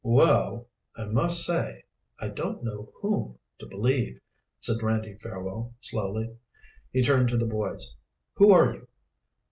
"Well, I must say I don't know whom to believe," said Randy Fairwell slowly. He turned to the boys. "Who are you?"